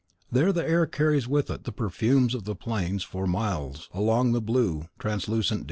There the air carries with it the perfumes of the plains for miles along the blue, translucent deep.